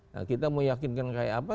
nah kita meyakinkan kayak apa